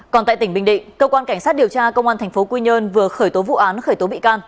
còn tại tỉnh bình định cơ quan cảnh sát điều tra công an tp quy nhơn vừa khởi tố vụ án khởi tố bị can